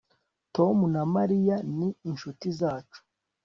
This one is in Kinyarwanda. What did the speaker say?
Tom na Mariya ni inshuti zacu